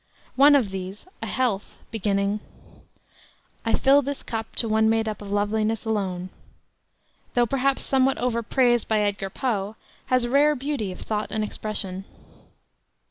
One of these, A Health, beginning "I fill this cup to one made up of loveliness alone," though perhaps somewhat overpraised by Edgar Poe, has rare beauty of thought and expression.